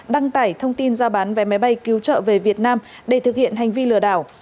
đăng tải thông tin ra bán vé máy bay cứu trợ về việt nam để thực hiện hành vi lừa đảo